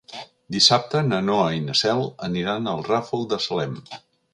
Dissabte na Noa i na Cel aniran al Ràfol de Salem.